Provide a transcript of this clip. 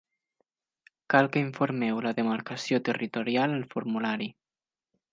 Cal que informeu la demarcació territorial al formulari.